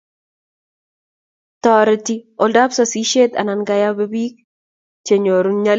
Toreti oldab soiset anan kayabe biik che nyoru nyalil